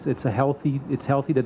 itu adalah hal yang sehat